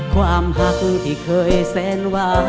ความหักที่เคย